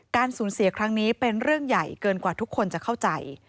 สูญเสียครั้งนี้เป็นเรื่องใหญ่เกินกว่าทุกคนจะเข้าใจ